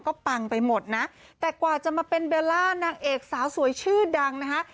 ก็ปังไปหมดนะแต่กว่าจะมาเป็นเบลล่านางเอกสาวสวยชื่อดังนะคะ